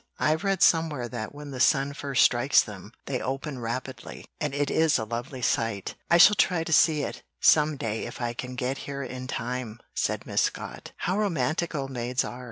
I've read somewhere that when the sun first strikes them they open rapidly, and it is a lovely sight. I shall try to see it some day if I can get here in time," said Miss Scott. "How romantic old maids are!"